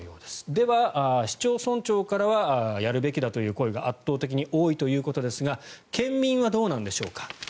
では、市町村長からはやるべきだという声が圧倒的に多いということですが県民はどうなんでしょうか。